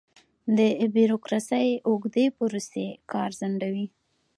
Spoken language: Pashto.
د بیروکراسۍ اوږدې پروسې کار ځنډوي.